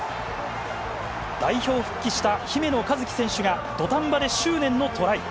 代表復帰した姫野和樹選手が、土壇場で執念のトライ。